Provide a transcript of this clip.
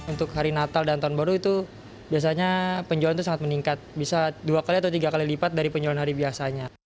untuk hari natal dan tahun baru itu biasanya penjualan itu sangat meningkat bisa dua kali atau tiga kali lipat dari penjualan hari biasanya